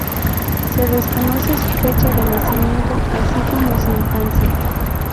Se desconoce su fecha de nacimiento, así como su infancia.